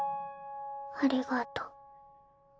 ありがとう。